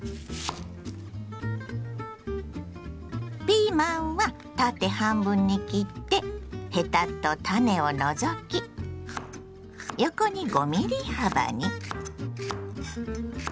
ピーマンは縦半分に切ってヘタと種を除き横に５ｍｍ幅に。